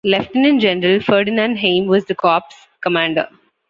Lieutenant General Ferdinand Heim was the corps commander.